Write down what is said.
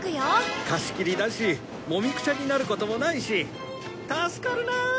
貸しきりだしもみくちゃになることもないし助かるなあ。